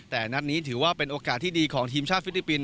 แต่นัดนี้ถือว่าเป็นโอกาสที่ดีของทีมชาติฟิลิปปินส